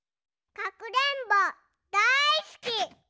かくれんぼだいすき！